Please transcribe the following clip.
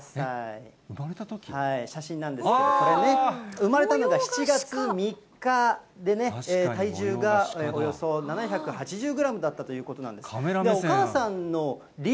写真なんですけど、生まれたのが７月３日でね、体重がおよそ７８０グラムだったということなんです。